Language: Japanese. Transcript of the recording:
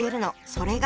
それが。